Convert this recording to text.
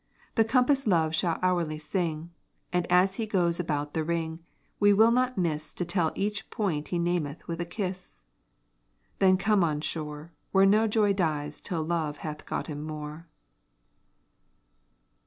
The compass love shall hourly sing, And as he goes about the ring, We will not miss To tell each point he nameth with a kiss. Then come on shore, Where no joy dies till love hath gotten more.